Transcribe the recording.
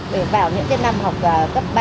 để vào những cái năm học cấp ba